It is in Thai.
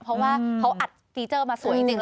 เพราะว่าเขาอัดฟีเจอร์มาสวยจริง